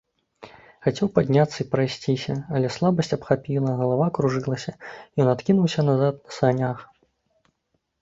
Хацеў падняцца і прайсціся, але слабасць абхапіла, галава кружылася, ён адкінуўся назад на санях.